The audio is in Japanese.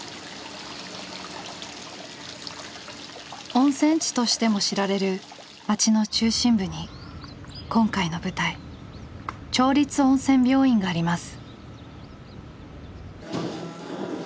温泉地としても知られる町の中心部に今回の舞台町立温泉病院があります。